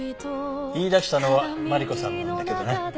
言いだしたのはマリコさんなんだけどね。